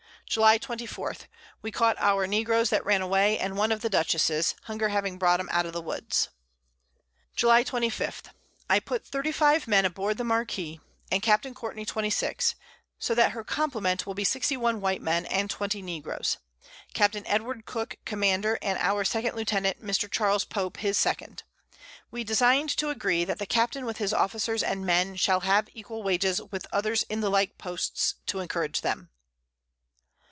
July 24. We caught our Negroes that ran away, and one of the Dutchess's, Hunger having brought 'em out of the Woods. July 25. I put 35 Men aboard the Marquiss, and Capt. Courtney 26, so that her Complement will be 61 White Men, and 20 Negroes. Captain Edward Cooke Commander, and our Second Lieutenant, Mr. Charles Pope, his Second. We design to agree, that the Captain with his Officers and Men shall have equal Wages with others in the like Posts, to encourage them.